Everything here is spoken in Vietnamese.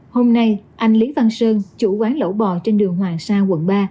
hôm nay anh lý văn sơn chủ quán lẩu bò trên đường hoàng sa quận ba